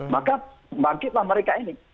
maka bangkitlah mereka ini